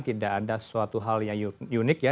tidak ada sesuatu hal yang unik ya